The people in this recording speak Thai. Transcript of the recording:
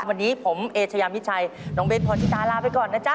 วันนี้ผมเอเชยามิชัยน้องเบ้นพรชิตาลาไปก่อนนะจ๊